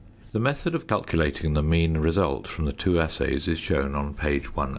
The method of calculating the mean result from the two assays is shown on page 109.